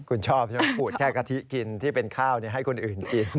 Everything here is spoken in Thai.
คุณชอบใช่ไหมขูดแค่กะทิกินที่เป็นข้าวให้คนอื่นกิน